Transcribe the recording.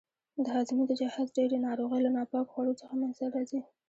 د هاضمې د جهاز ډېرې ناروغۍ له ناپاکو خوړو څخه منځته راځي.